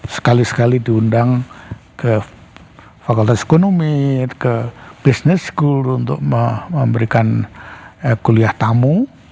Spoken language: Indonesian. sekali sekali diundang ke fakultas ekonomi ke business school untuk memberikan kuliah tamu